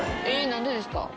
何でですか？